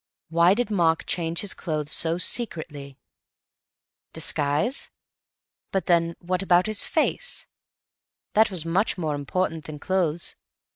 Why did Mark change his clothes so secretly? Disguise? But then what about his face? That was much more important than clothes.